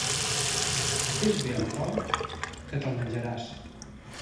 Fes bé al porc, que te'l menjaràs.